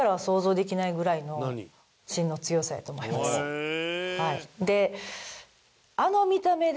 へえ。